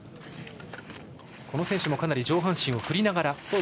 この選手も上半身を振りながら。